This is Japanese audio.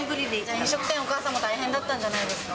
飲食店、お母さんも大変だったんじゃないですか。